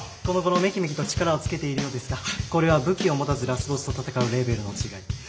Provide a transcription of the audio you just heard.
このごろめきめきと力をつけているようですがこれは武器を持たずラスボスと戦うレベルの違い。